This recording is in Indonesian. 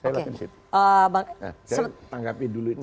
saya tanggapi dulu ini